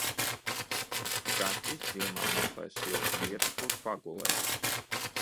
Kaķis ziemā meklē siltu vietu, kur pagulēt.